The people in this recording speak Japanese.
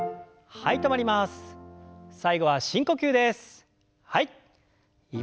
はい。